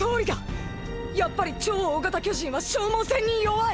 やっぱり超大型巨人は消耗戦に弱い！！